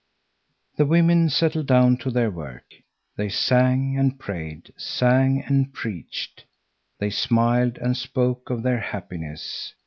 The women settled down to their work. They sang and prayed, sang and preached. They smiled and spoke of their happiness.